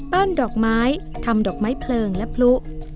ดอกไม้ทำดอกไม้เพลิงและพลุ